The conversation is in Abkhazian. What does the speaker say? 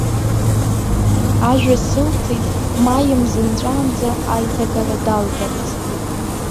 Ажәа сылҭеит маи мза нҵәаанӡа аиҭагара далгарц.